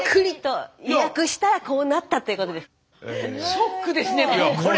ショックですねこれ。